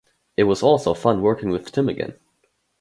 It was also fun working with Tim again.